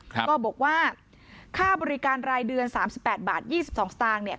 ก็บอกว่าค่าบริการรายเดือนสามสิบแปดบาทยี่สิบสองสตางค์เนี่ย